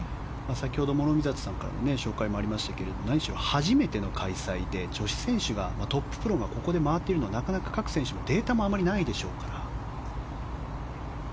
先ほど、諸見里さんからも紹介がありましたけれども何しろ初めての開催で女子選手がトッププロがここで回っているのは、各選手データもあまりないでしょうから。